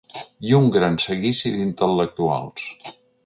I un gran seguici d’intel·lectuals.